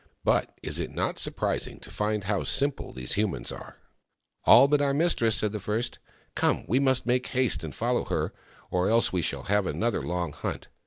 " But is it not surprising to find how simple these humans are !"" All but our mistress," the first said. " Come — we must make haste to follow her, or else we shall have another long hunt.